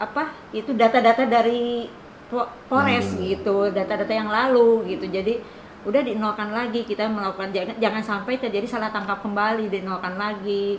apa itu data data dari polres gitu data data yang lalu gitu jadi udah dinokan lagi kita melakukan jangan sampai terjadi salah tangkap kembali dinokan lagi